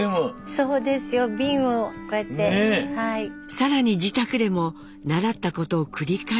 さらに自宅でも習ったことを繰り返し練習。